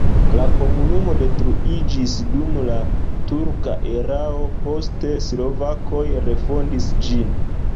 La komunumo detruiĝis dum la turka erao, poste slovakoj refondis ĝin.